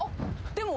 でも。